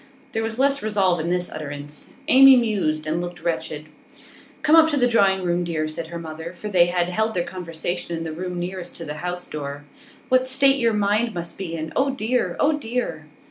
There was less resolve in this utterance. Amy mused, and looked wretched. 'Come up to the drawing room, dear,' said her mother, for they had held their conversation in the room nearest to the house door. 'What a state your mind must be in! Oh dear! Oh dear!